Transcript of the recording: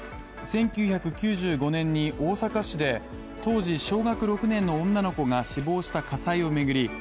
１９９５年に大阪市で当時小学６年の女の子が死亡した火災を巡り